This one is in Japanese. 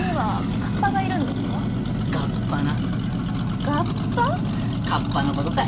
カッパのことたい。